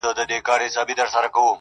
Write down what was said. بدكارمو كړی چي وركړي مو هغو ته زړونه.